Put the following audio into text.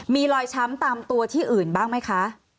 มีรอยช้ำตามตัวที่อื่นบ้างไหมคะ